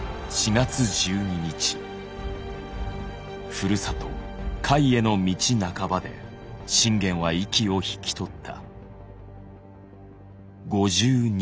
ふるさと甲斐への道半ばで信玄は息を引き取った。